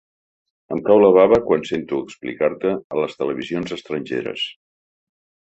Em cau la bava quan sento explicar-te a les televisions estrangeres.